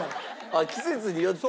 あっ季節によって。